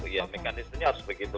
ya mekanismenya harus begitu